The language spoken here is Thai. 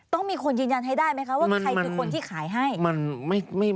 ต้องมีคนยืนยันให้ได้ไหมคะว่าใครคือคนที่ขายให้